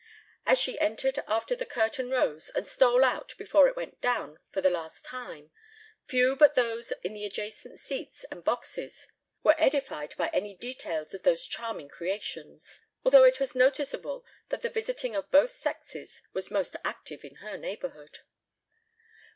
As she entered after the curtain rose and stole out before it went down for the last time, few but those in the adjacent seats and boxes were edified by any details of those charming creations, although it was noticeable that the visiting of both sexes was most active in her neighborhood.